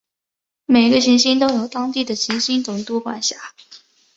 每一个行星都由当地的行星总督管辖。